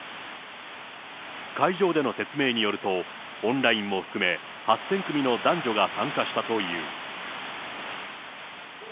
会場での説明によると、オンラインも含め８０００組の男女が参加したという。